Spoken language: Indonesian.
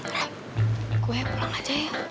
rap gue pulang aja ya